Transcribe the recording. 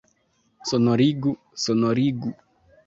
Sonorigu, sonorigu!